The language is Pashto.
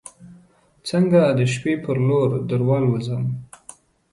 څنګه د شپې پر لور دروالوزم